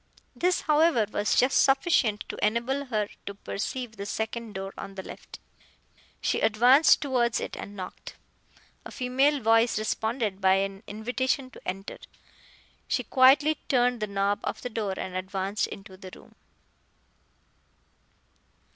This however was just sufficient to enable her to perceive the second door on the left. She advanced towards it and knocked. A female voice responded by an invitation to enter. She quietly turned the knob of the door and advanced into the room.